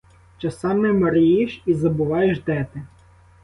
Часами мрієш і забуваєш, де ти.